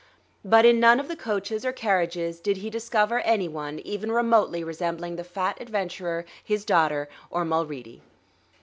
But in none of the coaches or carriages did he discover any one even remotely resembling the fat adventurer, his daughter, or Mulready.